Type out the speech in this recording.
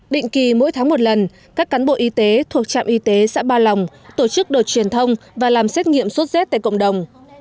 định kỳ mỗi tháng một lần các cán bộ y tế thuộc trạm y tế xã ba lòng tổ chức đợt truyền thông và làm xét nghiệm sốt z tại cộng đồng